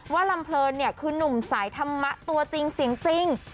ว่าลำเผินนี่คือนุ่มสายธรรมะตัวจริง